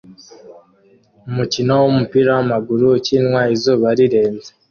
Umukino wumupira wamaguru ukinwa izuba rirenze